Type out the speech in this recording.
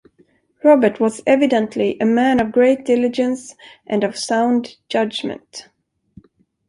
Robert was evidently a man of great diligence and of sound judgment.